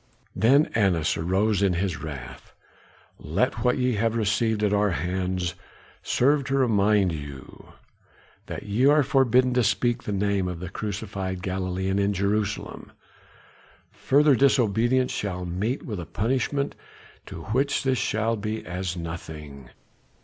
Then Annas rose in his wrath. "Let what ye have received at our hands serve to remind you that ye are forbidden to speak the name of the crucified Galilean in Jerusalem. Further disobedience shall meet with a punishment to which this shall be as nothing."